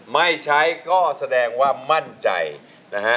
ไม่ใช้ก็แสดงว่ามั่นใจนะฮะ